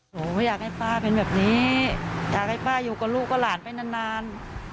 หนูไม่อยากให้ป้าเป็นแบบนี้อยากให้ป้าอยู่กับลูกกับหลานไปนานนาน